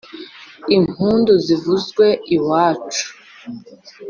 impundu zivuzwe iwacu